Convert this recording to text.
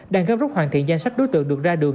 đang gấp rút hoàn thiện danh sách đối tượng được ra đường